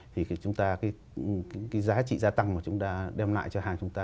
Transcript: thì chúng ta cái giá trị gia tăng mà chúng ta đem lại cho hàng chúng ta